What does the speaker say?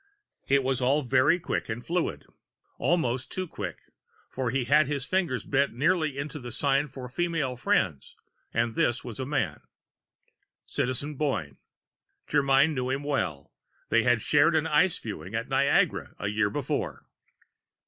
It was all very quick and fluid almost too quick, for he had had his fingers bent nearly into the sign for female friends and this was a man. Citizen Boyne. Germyn knew him well; they had shared the Ice Viewing at Niagara a year before.